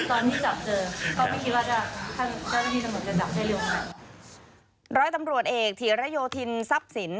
ก็ไม่คิดว่าถ้าไม่มีตำรวจจะจับได้เร็วมาย